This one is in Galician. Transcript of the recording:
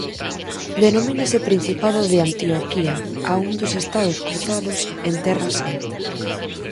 Denomínase Principado de Antioquía a un dos Estados Cruzados en Terra Santa.